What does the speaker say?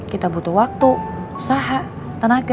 kita butuh waktu usaha tenaga